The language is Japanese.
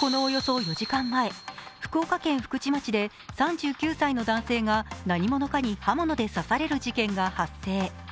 このおよそ４時間前、福岡県福智町で３９歳の男性が何者かに刃物で刺される事件が発生。